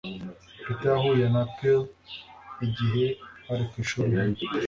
Peter yahuye na Pearl igihe bari ku ishuri hamwe.